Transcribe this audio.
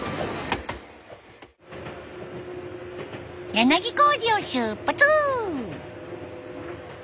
柳小路を出発！